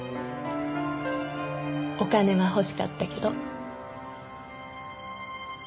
お金は欲しかったけど。